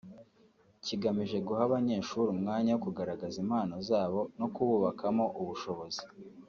kigamije guha abanyeshuri umwanya wo kugaragaza impano zabo no kububakamo ubushobozi